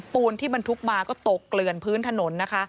ปูนที่บันทุกข์มาก็ตกเกลือนพื้นถนน